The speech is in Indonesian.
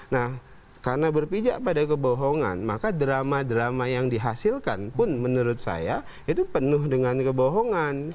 nah karena berpijak pada kebohongan maka drama drama yang dihasilkan pun menurut saya itu penuh dengan kebohongan